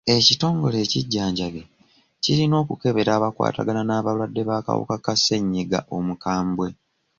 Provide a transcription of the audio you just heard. Ekitongole ekijjanjabi kirina okukebera abakwatagana n'abalwadde b'akawuka ka ssenyiga omukambwe.